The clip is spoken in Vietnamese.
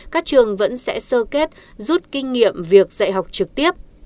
các trường vẫn sẽ sơ kết rút kinh nghiệm việc dạy học trực tiếp